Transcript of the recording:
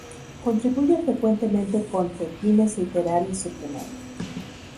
Contribuye frecuentemente con The Times Literary Supplement.